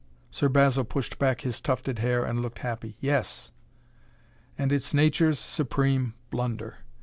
Sir Basil pushed back his tufted hair and looked happy. "Yes! And it's Nature's supreme blunder!